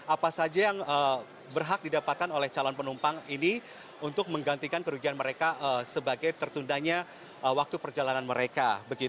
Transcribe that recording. apa saja yang berhak didapatkan oleh calon penumpang ini untuk menggantikan kerugian mereka sebagai tertundanya waktu perjalanan mereka